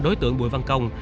đối tượng bùi văn công